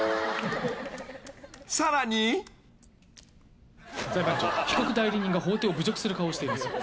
［さらに］「裁判長被告代理人が法廷を侮辱する顔をしています」